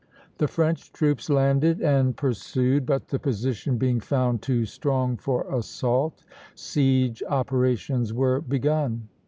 The French troops landed and pursued, but the position being found too strong for assault, siege operations were begun.